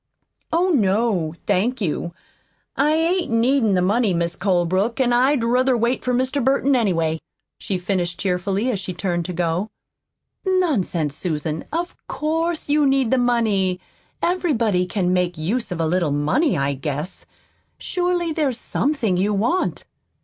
"Oh, no, thank you. I ain't needin' the money, Mis' Colebrook, an' I'd ruther wait for Mr. Burton, anyway," she finished cheerfully, as she turned to go. "Nonsense, Susan, of COURSE you need the money. Everybody can make use of a little money, I guess. Surely, there's SOMETHING you want."